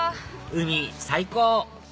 海最高！